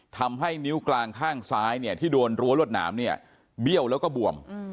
ทำให้นิ้วกลางข้างซ้ายเนี่ยที่โดนรั้วรวดหนามเนี่ยเบี้ยวแล้วก็บวม